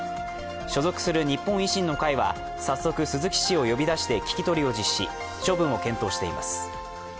所属する日本維新の会は早速、鈴木氏を呼び出して聞き取りを実施、処分を検討しています。